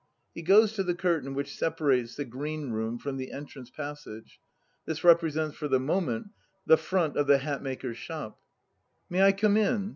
(He goes to the curtain which separates the green room from the entrance passage. This represents for the moment the front of the haymaker's shop.) May I come in?